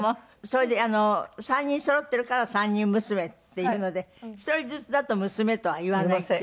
それで３人そろってるから「三人娘」っていうので１人ずつだと「娘」とは言わないって。